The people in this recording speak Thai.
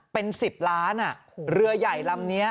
เป็น๑๐ล้านเรือใหญ่ลำนี้